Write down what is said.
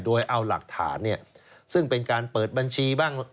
โดยเอาหลักฐานเนี่ยซึ่งเป็นการเปิดบัญชีบ้าง